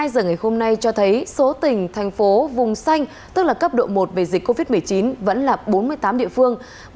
một mươi giờ ngày hôm nay cho thấy số tỉnh thành phố vùng xanh tức là cấp độ một về dịch covid một mươi chín vẫn là bốn mươi tám địa phương